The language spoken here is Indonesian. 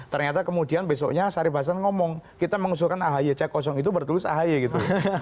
ternyata kemudian besoknya sarif hasan ngomong kita mengusulkan ahy cek kosong itu bertulis ahy gitu